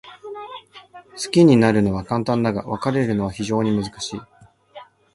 好きになるのは簡単だが、別れるのは非常に難しい。